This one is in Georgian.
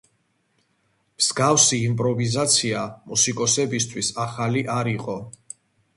მსგავსი იმპროვიზაცია მუსიკოსებისთვის ახალი არ იყო.